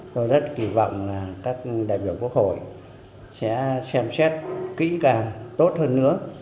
tôi rất kỳ vọng là các đại biểu quốc hội sẽ xem xét kỹ càng tốt hơn nữa